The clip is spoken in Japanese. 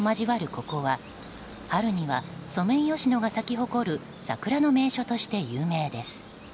ここは春にはソメイヨシノが咲き誇る桜の名所として有名です。